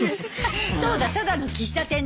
そうだただの喫茶店だ。